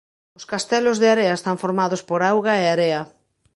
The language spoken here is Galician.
Os castelos de area están formados por agua e area.